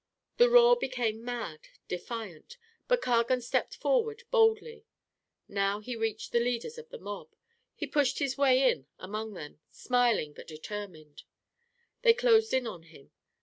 The roar became mad, defiant. But Cargan stepped forward boldly. Now he reached the leaders of the mob. He pushed his way in among them, smiling but determined. They closed in on him.